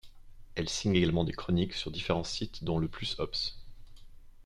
Elle signe également des chroniques sur différents sites, dont le Plus Obs.